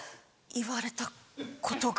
言われたことが。